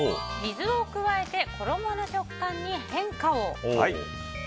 水を加えて衣の食感に変化を！